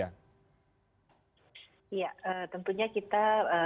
ya tentunya kita